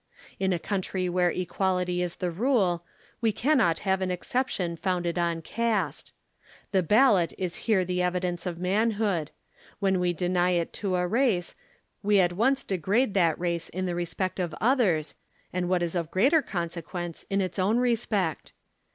In a country where equality is the rule, we cannot have an exception founded on caste. The ballot is here the evidence of manhood; when we deny it to a race we at once degrade that race in the respect of others, and what is of greater consequence, in its own respect.